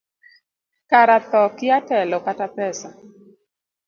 Kara thoo kia telo kata pesa.